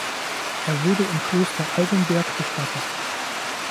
Er wurde im Kloster Altenberg bestattet.